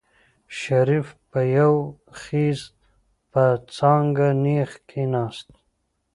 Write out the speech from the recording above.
شريف په يو خېز په څانګه نېغ کېناست.